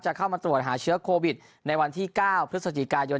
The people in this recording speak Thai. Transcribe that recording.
เข้ามาตรวจหาเชื้อโควิดในวันที่๙พฤศจิกายน